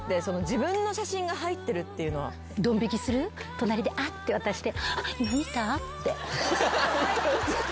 隣で「あっ！」って渡して。